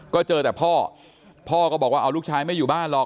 ก็เจอแต่พ่อพ่อก็บอกว่าเอาลูกชายไม่อยู่บ้านหรอก